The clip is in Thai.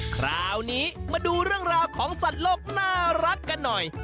คราวนี้มาดูเรื่องราวของสัตว์โลกน่ารักกันหน่อย